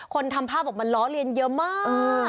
ทำภาพบอกมันล้อเลียนเยอะมาก